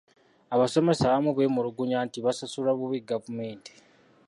Abasomesa abamu beemulugunya nti basasulwa bubi gavumenti.